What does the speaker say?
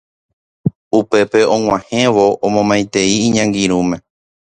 Upépe og̃uahẽvo omomaitei iñangirũme